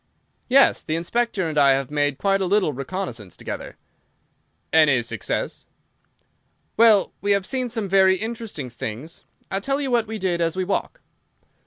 "Yes; the Inspector and I have made quite a little reconnaissance together." "Any success?" "Well, we have seen some very interesting things. I'll tell you what we did as we walk.